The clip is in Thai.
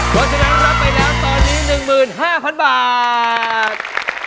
เพราะฉะนั้นรับไปแล้วตอนนี้๑๕๐๐๐บาท